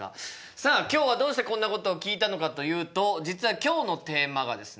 さあ今日はどうしてこんなことを聞いたのかというと実は今日のテーマがですね